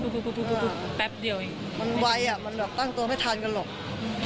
พูดสิทธิ์ข่าวธรรมดาทีวีรายงานสดจากโรงพยาบาลพระนครศรีอยุธยาครับ